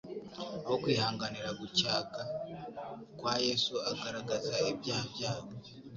aho kwihanganira gucyaga kwa Yesu agaragaza ibyaha byabo;